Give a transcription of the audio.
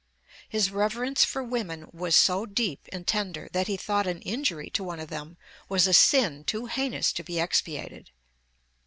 His reverence for women was so deep and tender that he thought an injury to one of them was a sin too heinous to be expiated.